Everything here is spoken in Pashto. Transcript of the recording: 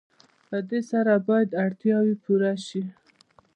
په دې سره باید اړتیاوې پوره شي.